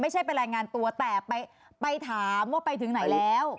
ไปรายงานตัวแต่ไปถามว่าไปถึงไหนแล้ว